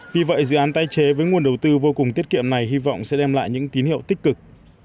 vì vậy dự án tái chế với nguồn đầu tư vô cùng tiết kiệm này hy vọng sẽ đem lại những tín hiệu tích cực